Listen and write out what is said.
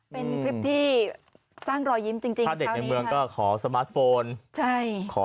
เป็นคลิปที่สร้างรอยยิ้มจริงเช้านี้